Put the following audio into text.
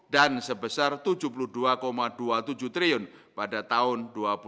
dan sebesar tujuh puluh dua dua puluh tujuh triliun pada tahun dua ribu dua puluh satu